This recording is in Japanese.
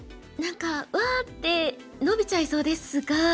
何かわあってノビちゃいそうですが。